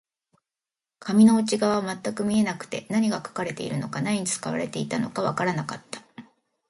紙の内側は全く見えなくて、何が書かれているのか、何に使われていたのかわからなかった